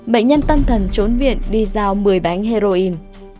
bệnh nhân tâm thần trốn viện đi giao một mươi bánh heroin